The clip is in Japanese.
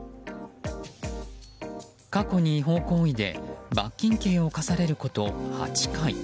過去に違法行為で罰金刑を科されること８回。